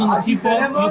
anda meletakkan air panas